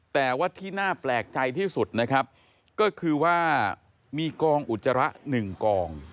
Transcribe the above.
แต่ว่าที่น่าแปลกใจที่สุดก็คือว่ามีกองอุจจาระ๑กอง